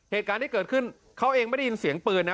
เหตุการณ์ที่เกิดขึ้นเขาเองไม่ได้ยินเสียงปืนนะ